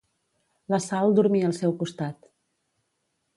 La Sal dormia al seu costat.